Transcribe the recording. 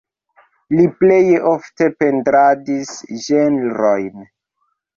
Li plej ofte pentradis ĝenrojn.